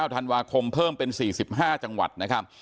ธันวาคมเพิ่มเป็น๔๕จังหวัดนะครับ